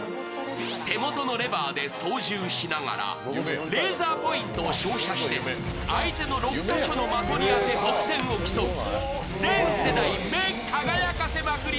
手元のレバーで操縦しながらレーザーポイントを照射して相手の６か所の的に当てて得点を競う、全世代、目輝かせまくり